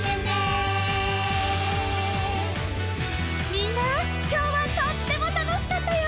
みんなきょうはとってもたのしかったよ！